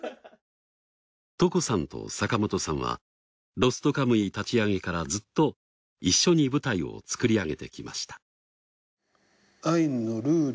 床さんと坂本さんは『ロストカムイ』立ち上げからずっと一緒に舞台を作り上げてきました。